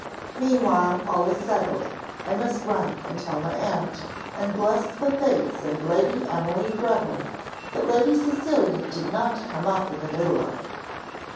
Meanwhile, all is settled. I must run and tell my aunt, and bless the fates and Lady Emily Greville, that Lady Cecilia did not come up in the middle of it.